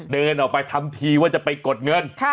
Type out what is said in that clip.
เดินออกไปทำทีว่าจะไปกดเงิน